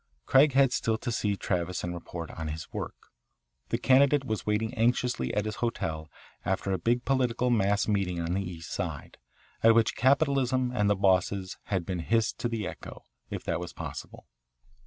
Craig had still to see Travis and report on his work. The candidate was waiting anxiously at his hotel after a big political mass meeting on the East Side, at which capitalism and the bosses had been hissed to the echo, if that is possible.